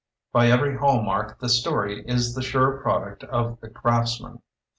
By every hallmark the story is the sure product of the craftsman.